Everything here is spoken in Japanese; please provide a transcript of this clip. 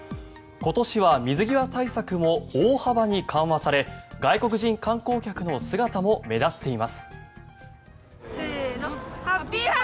今年は水際対策も大幅に緩和され外国人観光客の姿も目立っています。